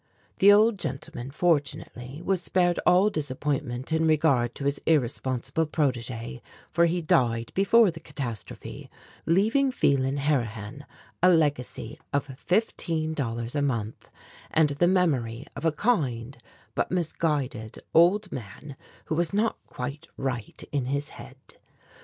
The old gentleman, fortunately, was spared all disappointment in regard to his irresponsible protégé, for he died before the catastrophe, leaving Phelan Harrihan a legacy of fifteen dollars a month and the memory of a kind, but misguided, old man who was not quite right in his head.